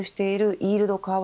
イールドカーブ